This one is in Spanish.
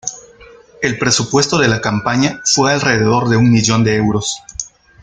El presupuesto de la campaña fue alrededor de un millón de euros.